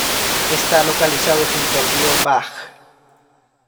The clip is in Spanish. Está localizado junto al río Váh.